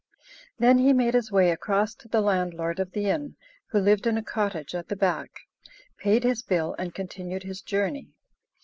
Then he made his way across to the landlord of the inn (who lived in a cottage at the back), paid his bill, and continued his journey.